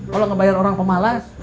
kalau ngebayar orang pemalas